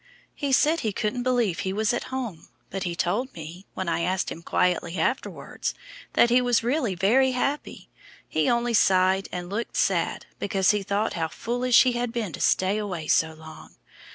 He said he couldn't believe he was at home, but he told me, when I asked him quietly afterwards, that he was really very happy, he only sighed and looked sad because he thought how foolish he had been to stay away so long.